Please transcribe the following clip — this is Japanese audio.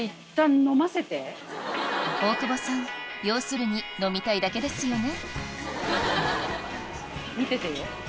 大久保さん要するに飲みたいだけですよね